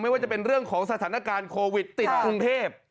ว่าจะเป็นเรื่องของสถานการณ์โควิดติดกรุงเทพ